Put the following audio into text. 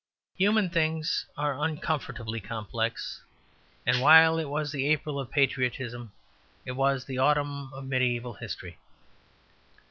Human things are uncomfortably complex, and while it was the April of patriotism it was the Autumn of mediæval society.